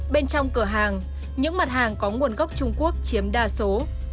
bên trong cửa hàng những mặt hàng có nguồn gốc trung quốc chiếm đa số